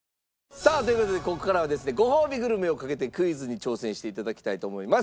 さあという事でここからはですねごほうびグルメをかけてクイズに挑戦して頂きたいと思います。